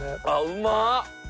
うまっ！